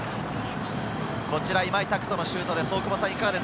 今井拓人のシュートです。